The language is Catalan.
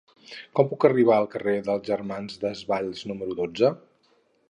Com puc arribar al carrer dels Germans Desvalls número dotze?